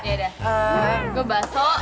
yaudah gue bakso